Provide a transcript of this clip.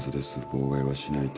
妨害はしないと。